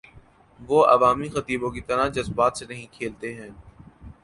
وہ عوامی خطیبوں کی طرح جذبات سے نہیں کھیلتے تھے۔